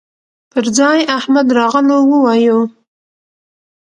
پر ځاى احمد راغلهووايو